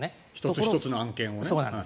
１つ１つの案件を。